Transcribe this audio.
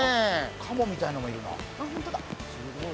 かもみたいなのもいるな。